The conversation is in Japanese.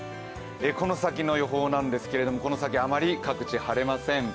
この先の予報なんですけれどもあまり各地、晴れません。